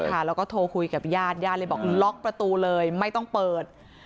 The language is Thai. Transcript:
แล้วก็โทรคุยกับญาติญาติเลยบอกล็อกประตูเลยไม่ต้องเปิด